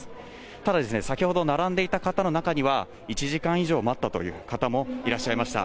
ただ先ほど並んでいた方の中には、１時間以上待ったという方もいらっしゃいました。